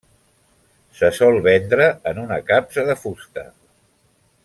Se sol vendre en una capsa de fusta.